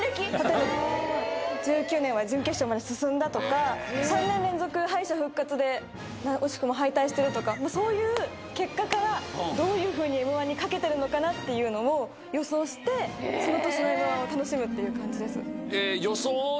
１９年は準決勝まで進んだとか３年連続敗者復活で惜しくも敗退してるとかそういう結果からどういうふうに『Ｍ−１』に懸けてるのかなっていうのを予想してその年の『Ｍ−１』を楽しむっていう感じです。